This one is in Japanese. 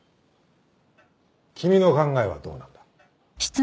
君の考えはどうなんだ？